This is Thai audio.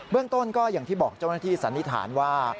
เรื่องต้นก็อย่างที่บอกเจ้าหน้าที่สันนิษฐานว่า